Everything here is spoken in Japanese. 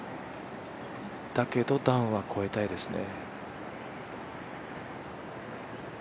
だけど段は越えたいですね。